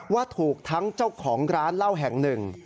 ว่าถูกทั้งเจ้าของร้านเหล้าแห่งหนึ่ง